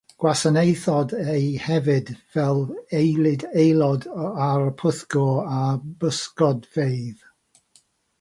Gwasanaethodd e hefyd fel eilydd aelod ar y Pwyllgor ar Bysgodfeydd.